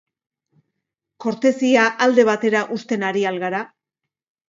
Kortesia alde batera uzten ari al gara?